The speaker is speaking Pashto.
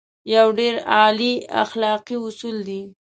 يو ډېر اعلی اخلاقي اصول دی.